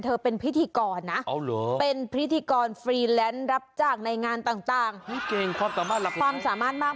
เธอเป็นพิธีกรนะเป็นพิธีกรเฟรีไลน์รับจ้างในงานต่าง